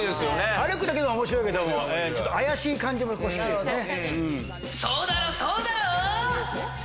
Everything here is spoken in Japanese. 歩くだけでもおもしろいけどもちょっと怪しい感じも好きですね